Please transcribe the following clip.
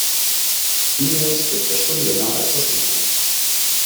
E-Mails gibt es schon länger als das Internet.